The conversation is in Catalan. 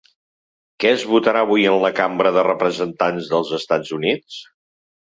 Què es votarà avui en la Cambra de Representants dels Estats Units?